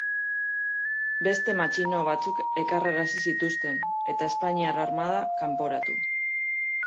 Beste matxino batzuk ekarrarazi zituzten, eta espainiar armada kanporatu.